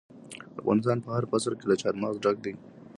افغانستان په هر فصل کې له چار مغز ډک دی.